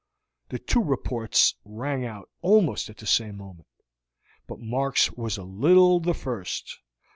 The two reports rang out almost at the same moment, but Mark's was a little the first.